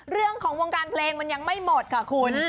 เรื่องของวงการเพลงมันยังไม่หมดค่ะคุณ